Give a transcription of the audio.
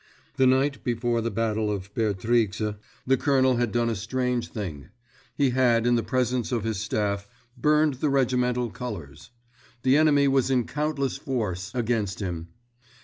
The night before the battle of Bertrix, the colonel had done a strange thing; he had, in the presence of his staff, burned the regimental colors. The enemy was in countless force against him.